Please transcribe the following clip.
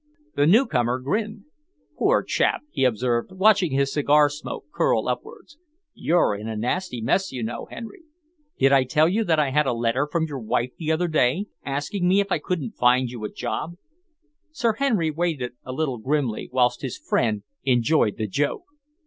The newcomer grinned. "Poor chap!" he observed, watching his cigar smoke curl upwards. "You're in a nasty mess, you know, Henry. Did I tell you that I had a letter from your wife the other day, asking me if I couldn't find you a job?" Sir Henry waited a little grimly, whilst his friend enjoyed the joke.